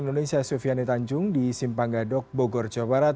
korespondensi ann indonesia sufiany tanjung di simpanggadok bogor jawa barat